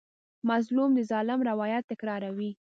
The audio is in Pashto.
مظلوم د ظالم روایت تکراروي.